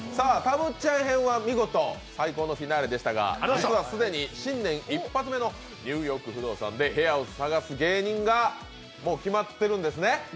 ぶちっちゃん編は見事最高のフィナーレでしたが、実は既に新年一発目の「ニューヨーク不動産」で部屋を探す芸人がもう決まってるんですね。